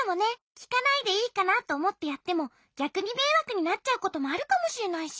きかないでいいかなとおもってやってもぎゃくにめいわくになっちゃうこともあるかもしれないし。